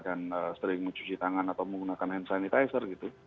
sering mencuci tangan atau menggunakan hand sanitizer gitu